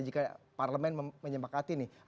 jika parlemen menyempakati nih